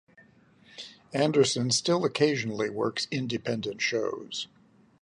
Anderson still occasionally works independent shows.